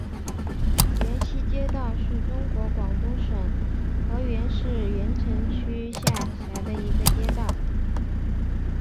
源西街道是中国广东省河源市源城区下辖的一个街道。